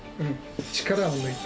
力を抜いて。